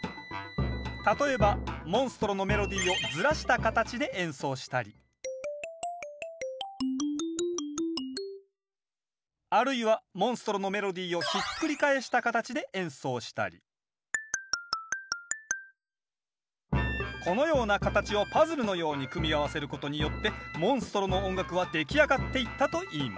例えばモンストロのメロディーをずらした形で演奏したりあるいはモンストロのメロディーをひっくり返した形で演奏したりこのような形をパズルのように組み合わせることによってモンストロの音楽は出来上がっていったといいます。